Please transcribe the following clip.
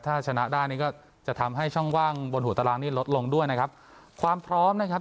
ถ้าชนะได้นี่ก็จะทำให้ช่องว่างบนหัวตารางนี่ลดลงด้วยนะครับความพร้อมนะครับ